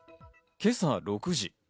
今朝６時。